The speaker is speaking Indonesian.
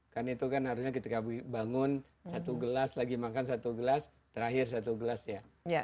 kan itu kan harusnya ketika bangun satu gelas lagi makan satu gelas terakhir satu gelas ya